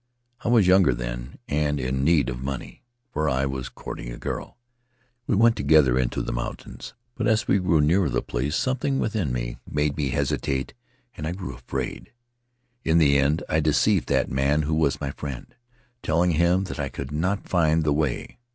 I was younger then, and in need of money, for I was courting a girl. We went together into the mountains, but as we drew near the place something within me made me hesitate and I grew afraid. In the end I deceived that man who was my friend, telling him that I could not find the way.